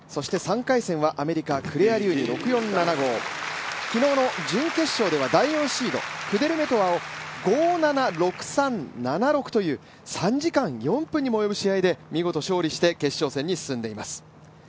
３回線はアメリカクレア・リューに６−４、７−５昨日の準決勝では第４シード、クデルメトワを５ー６６ー３、７−６という３時間４分にも及ぶ試合で、見事勝利して決勝戦へ進んでいます。